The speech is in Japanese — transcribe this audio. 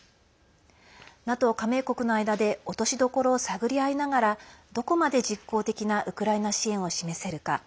ＮＡＴＯ加盟国の間で落としどころを探りあいながらどこまで実効的なウクライナ支援を示せるか。